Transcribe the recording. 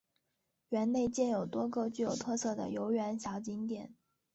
园内建有多个具有特色的游园小景点。